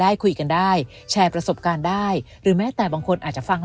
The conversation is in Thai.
ได้คุยกันได้แชร์ประสบการณ์ได้หรือแม้แต่บางคนอาจจะฟัง